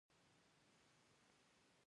ایا زما وزن به ښه شي؟